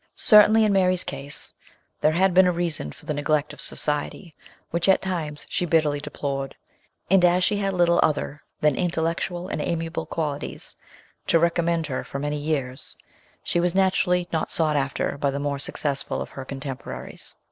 Certainly in Mary's case there had been a reason for the neglect of " Society/' which at times she bitterly deplored ; and as she had little other than intellectual and amiable qualities to recommend her for many years, she was naturally not sought after by the more successful of her contemporaries.